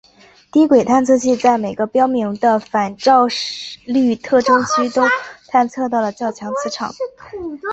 低轨探测器在每个标明的反照率特征区都探测到了较强磁场。